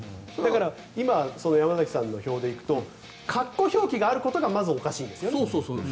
今、山崎さんの表で行くと括弧表記があることがまずおかしいんですよね。